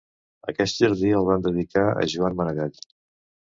Aquest jardí el van dedicar a Joan Maragall.